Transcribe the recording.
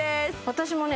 私もね